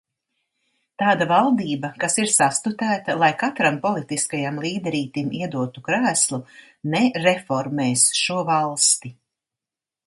Tāda valdība, kas ir sastutēta, lai katram politiskajam līderītim iedotu krēslu, nereformēs šo valsti.